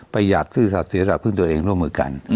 หยาดซื่อสัตว์เสียหลักพึ่งตัวเองร่วมมือกัน